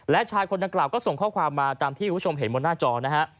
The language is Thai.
และชายคนดังกล่าวก็ส่งข้อความมาตามที่คุณผู้ชมเห็นบนหน้าจอนะฮะ